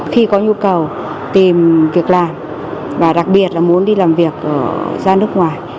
khi có nhu cầu tìm việc làm và đặc biệt là muốn đi làm việc ra nước ngoài